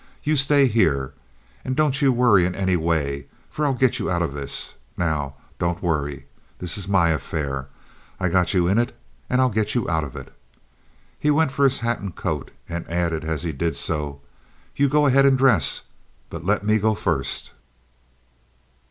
"You stay here. And don't you worry in any way for I'll get you out of this—now, don't worry. This is my affair. I got you in it and I'll get you out of it." He went for his hat and coat and added, as he did so, "You go ahead and dress; but let me go first."